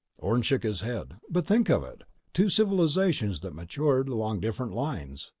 Orne shook his head. "But think of it: Two civilizations that matured along different lines!